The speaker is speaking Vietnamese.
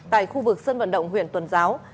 tại khu vực sân vận động huyện tuần giáo